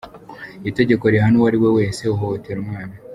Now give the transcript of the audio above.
Itegeko rihana uwo ari we wese uhohotera umwana.